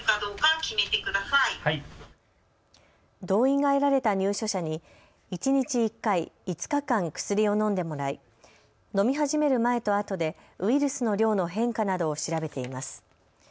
同意が得られた入所者に一日１回、５日間薬を飲んでもらい飲み始める前とあとでウイルスの量の変化などを調べています。